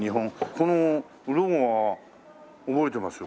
このロゴは覚えてますよ